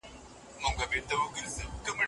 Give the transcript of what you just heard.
کله چي زه کور ته ورغلم هغه بېدېدلی وو.